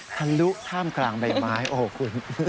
ทะลุท่ามกลางใบไม้โอ้โหคุณ